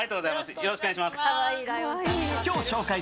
よろしくお願いします。